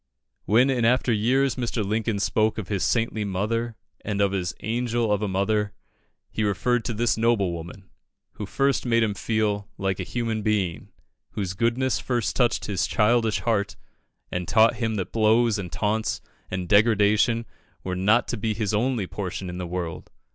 "When in after years Mr. Lincoln spoke of his 'saintly mother' and of his 'angel of a mother,' he referred to this noble woman, who first made him feel 'like a human being' whose goodness first touched his childish heart, and taught him that blows and taunts and degradation were not to be his only portion in the world."